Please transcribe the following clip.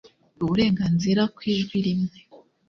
uburenganzira ku ijwi rimwe.